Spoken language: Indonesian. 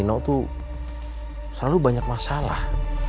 nino itu selalu banyak masalah